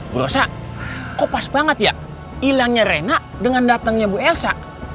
bu elsa kok pas banget ya hilangnya rena dengan datangnya bu elsa